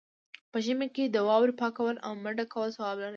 په ژمي کې د واورو پاکول او منډ کول ثواب لري.